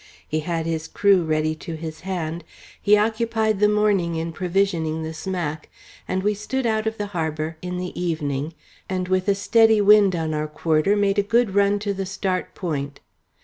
He had his crew ready to his hand; he occupied the morning in provisioning the smack; and we stood out of the harbour in the evening, and with a steady wind on our quarter made a good run to the Start Point.